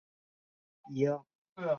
无刺猪笼草为藤本植物。